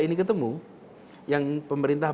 ini ketemu yang pemerintah